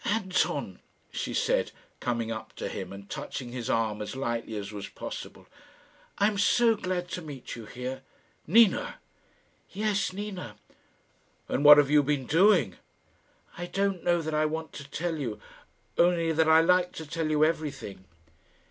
"Anton," she said, coming up to him and touching his arm as lightly as was possible. "I am so glad to meet you here." "Nina?" "Yes; Nina." "And what have you been doing?" "I don't know that I want to tell you; only that I like to tell you everything."